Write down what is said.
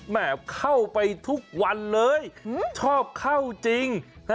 เข้าไปทุกวันเลยชอบเข้าจริง